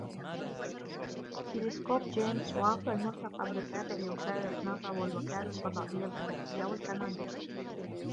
تلسكوب جيمس واب المرتقب التابع لوكالة ناسا و الوكالة الفضائية الأوربية والكندية